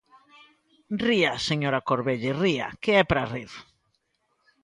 Ría, señora Corvelle, ría, que é para rir.